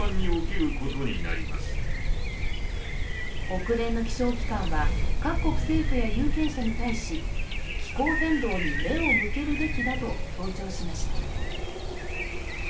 国連の気象機関は各国政府や有権者に対し気候変動に目を向けるべきだと強調しました。